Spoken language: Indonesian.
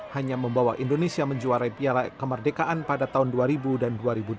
hanya membawa indonesia menjuarai piala kemerdekaan pada tahun dua ribu dan dua ribu dua puluh